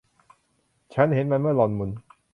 ฉันเห็นมันเมื่อหล่อนหมุน